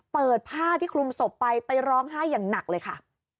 เปิดผ้าที่คลุมศพไปไปร้องไห้อย่างหนักเลยค่ะ